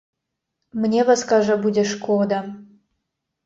Мне вас, кажа, будзе шкода.